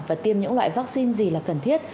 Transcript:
và tiêm những loại vaccine gì là cần thiết